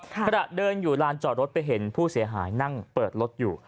ขณะเดินอยู่ลานจอดรถไปเห็นผู้เสียหายนั่งเปิดรถอยู่